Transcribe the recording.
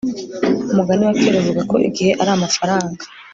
Umugani wa kera uvuga ko igihe ari amafaranga